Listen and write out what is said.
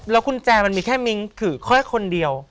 แล้วคุณแจมันมีแค่มิ้งค์คือค่อยคนเดียว